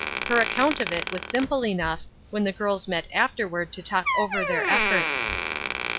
Her account of it was simple enough, when the girls met afterward to talk over their efforts.